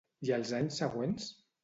I els anys següents?